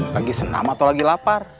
lagi senam atau lagi lapar